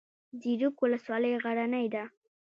زیروک ولسوالۍ غرنۍ ده؟